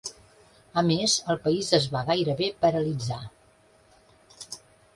A més, el país es va gairebé paralitzar.